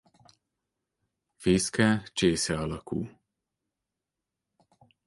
Fészke csésze alakú.